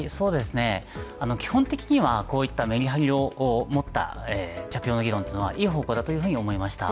基本的にはこういったメリハリを持った着用の議論というのはいい方向だというふうに思いました